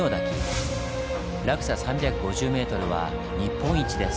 落差３５０ｍは日本一です。